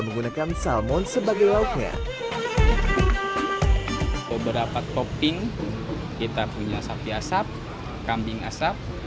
menggunakan salmon sebagai lauknya beberapa topping kita punya sapi asap kambing asap